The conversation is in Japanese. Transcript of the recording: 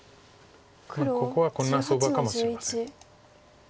ここはこんな相場かもしれません。